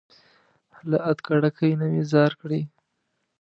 له ادکړکۍ نه مي ځار کړى